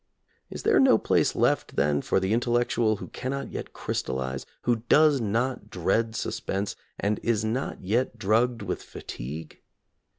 Is there no place left, then, for the intellectual who cannot yet crystallize, who does not dread sus pense, and is not yet drugged with fatigue?